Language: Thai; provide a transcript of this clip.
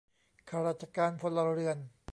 ข้าราชการพลเรือน